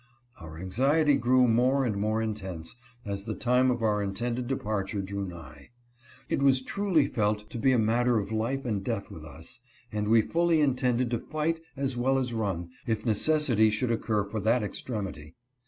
Our anxiety grew more and more intense, as the time of our intended departure drew nigh. It was truly felt to be a matter of life and death with us, and we fully intended to fight, as well as run, if necessity should occur for that extremity.